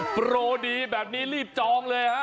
โปรดีแบบนี้รีบจองเลยฮะ